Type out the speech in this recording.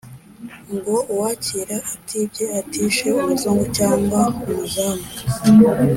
ngo uwakira atibye atishe umuzungu cyangwa umuzamu